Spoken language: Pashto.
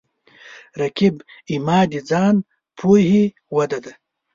رقیب زما د ځان پوهې وده ده